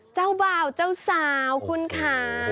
เจ้าบ่าวเจ้าสาวคุณค่ะ